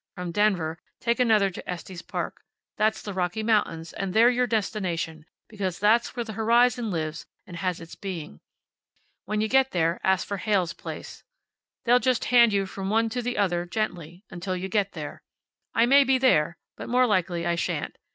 From Denver take another to Estes Park. That's the Rocky Mountains, and they're your destination, because that's where the horizon lives and has its being. When you get there ask for Heyl's place. They'll just hand you from one to the other, gently, until you get there. I may be there, but more likely I shan't.